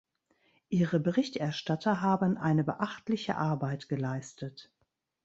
Ihre Berichterstatter haben eine beachtliche Arbeit geleistet.